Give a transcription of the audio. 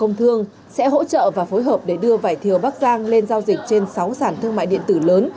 bộ thương sẽ hỗ trợ và phối hợp để đưa vải thiều bắc giang lên giao dịch trên sáu sản thương mại điện tử lớn